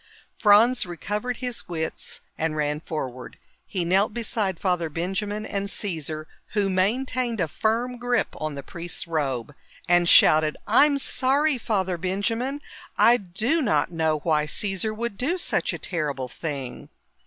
Franz recovered his wits and ran forward. He knelt beside Father Benjamin and Caesar, who maintained a firm grip on the priest's robe, and shouted, "I'm sorry, Father Benjamin! I do not know why Caesar would do such a terrible thing!"